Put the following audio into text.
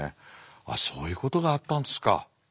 ああそういうことがあったんですか。